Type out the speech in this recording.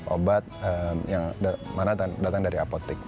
obat yang mana datang dari apotek